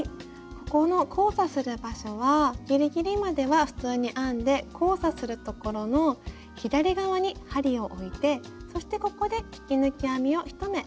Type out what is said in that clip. ここの交差する場所はギリギリまでは普通に編んで交差するところの左側に針を置いてそしてここで引き抜き編みを１目。